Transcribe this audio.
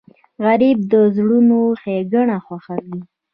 غریب د زړونو ښیګڼه خوښوي